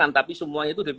ada pada aliran